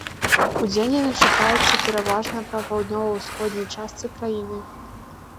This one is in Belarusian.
Удзень яны чакаюцца пераважна па паўднёва-ўсходняй частцы краіны.